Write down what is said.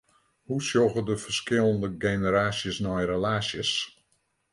Hoe sjogge de ferskillende generaasjes nei relaasjes?